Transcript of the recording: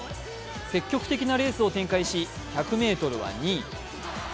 積極的なレースを展開し、１００ｍは２位。